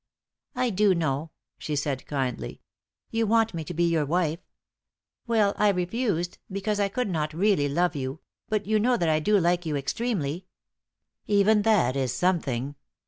"I do know," she said, kindly; "you want me to be your wife. Well, I refused, because I could not really love you; but you know that I do like you extremely." "Even that is something."